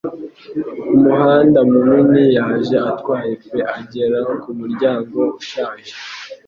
Umuhanda munini yaje atwaye pe agera kumuryango ushaje.